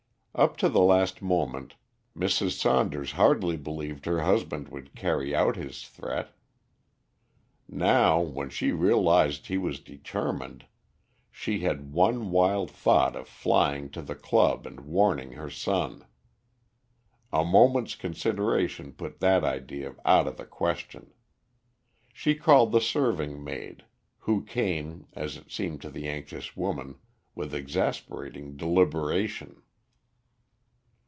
Up to the last moment Mrs. Saunders hardly believed her husband would carry out his threat. Now, when she realised he was determined, she had one wild thought of flying to the club and warning her son. A moment's consideration put that idea out of the question. She called the serving maid, who came, as it seemed to the anxious woman, with exasperating deliberation.